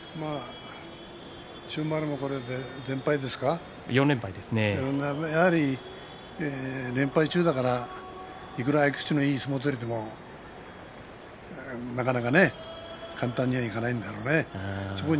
千代丸はこれで連敗中だからいくら合い口のいい相撲取りでもなかなか簡単にはいかないだろうね。